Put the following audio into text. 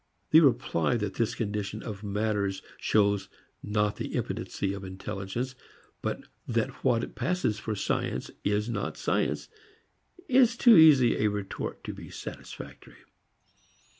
The reply that this condition of matters shows not the impotency of intelligence but that what passes for science is not science is too easy a retort to be satisfactory.